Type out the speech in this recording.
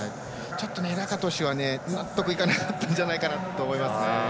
ラカトシュは納得いかなかったんじゃないかなと思います。